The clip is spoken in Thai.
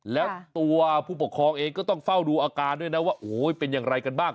แล้วตัวผู้ปกครองเองก็ต้องเฝ้าดูอาการด้วยนะว่าโอ้โหเป็นอย่างไรกันบ้าง